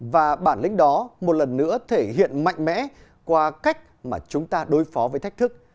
và bản lĩnh đó một lần nữa thể hiện mạnh mẽ qua cách mà chúng ta đối phó với thách thức